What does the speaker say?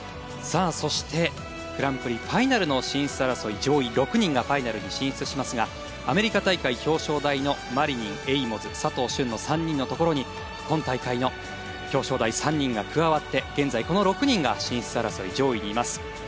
そして、グランプリファイナルの進出争い上位６人がファイナルに進出しますがアメリカ大会表彰台のマリニン、エイモズ佐藤駿の３人のところに今大会の表彰台３人が加わって現在この６人が進出争い上位にいます。